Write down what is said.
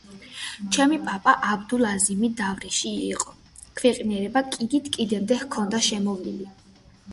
ჩემი პაპა, აბდულ-აზიმი, დავრიში იყო; ქვენიერება კიდით-კიდემდე ჰქონდა შემოვლილი.